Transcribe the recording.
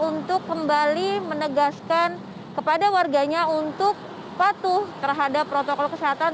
untuk kembali menegaskan kepada warganya untuk patuh terhadap protokol kesehatan